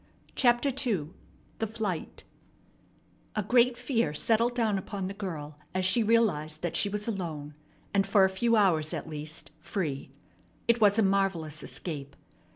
CHAPTER II THE FLIGHT A great fear settled down upon the girl as she realized that she was alone and, for a few hours at least, free. It was a marvellous escape.